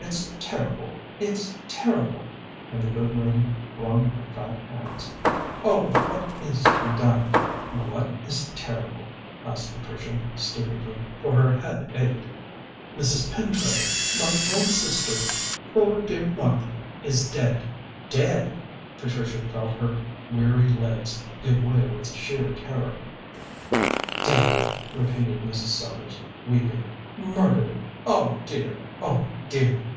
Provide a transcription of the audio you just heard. It's terrible; it's terrible!" and the good lady wrung her fat hands. "Oh, what is to be done?" "What is terrible?" asked Patricia stupidly, for her head ached. "Mrs. Pentreddle, my own sister; poor dear Martha is dead!" "Dead!" Patricia felt her weary legs give way with sheer terror. "Dead!" repeated Mrs. Sellars, weeping. "Murdered! Oh, dear! oh, dear!"